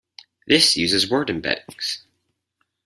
This uses word embeddings.